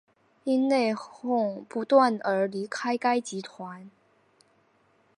因内哄不断而离开该集团。